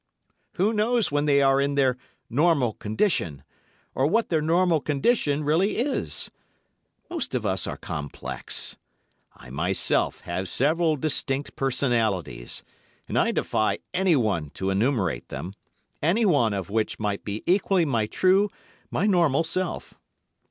Who knows when they are in their normal condition, or what their normal condition really is? Most of us are complex. I myself have several distinct personalities—and I defy anyone to enumerate them—any one of which might be equally my true, my normal self.